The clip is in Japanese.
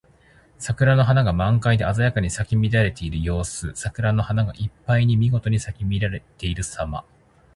桜の花が満開で鮮やかに咲き乱れている様子。桜の花がいっぱいにみごとに咲き乱れているさま。